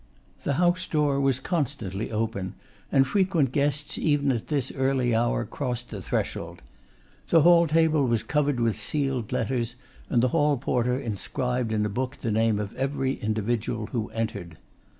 The house door was constantly open, and frequent guests even at this early hour crossed the threshold. The hall table was covered with sealed letters; and the hall porter inscribed in a book the name of every individual who entered.